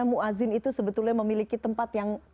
mu'azzin itu sebetulnya memiliki tempat yang